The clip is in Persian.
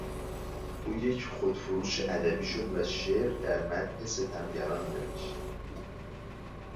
او یک خودفروش ادبی شد و شعر در مدح ستمگران نوشت.